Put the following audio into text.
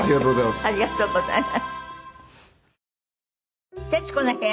ありがとうございます。